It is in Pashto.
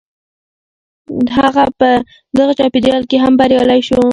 هغه په دغه چاپېريال کې هم بريالی شو.